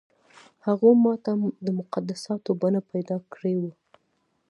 هغو ماته د مقدساتو بڼه پیدا کړې وه.